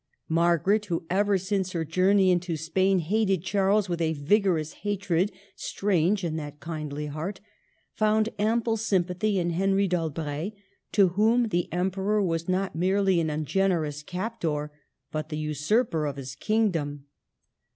Margaret, who ever since her journey into Spain hated Charles with a vigorous hatred strange in that kindly heart, found ample sympathy in Henry d'Albret, to whom the Emperor was not merely an ungenerous captor, but the usurper of his kingdom.